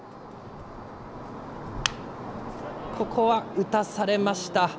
ここは打たされました。